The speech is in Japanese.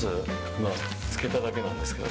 今、漬けただけなんですけど。